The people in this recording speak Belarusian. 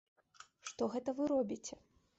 Што гэта вы робіце?